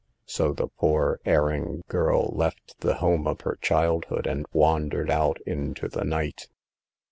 So the poor erring girl left the home of her childhood and wandered out into the night.